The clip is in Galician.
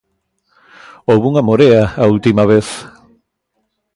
Houbo unha morea a última vez.